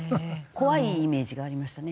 怖いイメージがありましたね。